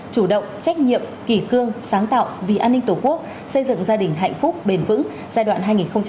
chủ động trách nhiệm kỳ cương sáng tạo vì an ninh tổ quốc xây dựng gia đình hạnh phúc bền vững giai đoạn hai nghìn một mươi chín hai nghìn hai mươi bốn